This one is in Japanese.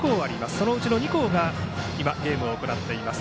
そのうちの２校が今ゲームを行っています。